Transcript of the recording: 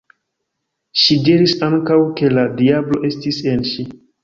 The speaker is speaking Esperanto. Ŝi diris ankaŭ, ke la diablo estis en ŝi.